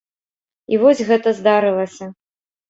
І вось гэта здарылася.